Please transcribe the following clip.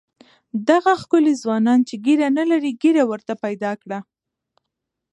دغه ښکلي ځوانان چې ږیره نه لري ږیره ورته پیدا کړه.